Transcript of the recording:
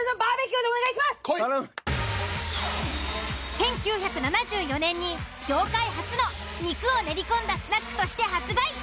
１９７４年に業界初の肉を練り込んだスナックとして発売。